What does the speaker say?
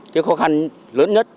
cái khó khăn lớn nhất